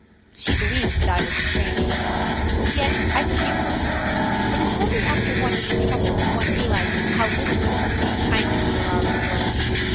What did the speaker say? She believed that I was insane. Yet I forgive her. It is only after one is in trouble that one realizes how little sympathy and kindness there are in the world.